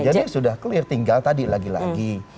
jadi sudah clear tinggal tadi lagi lagi